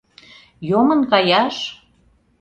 Йомын каяш?